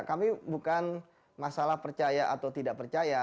kami bukan masalah percaya atau tidak percaya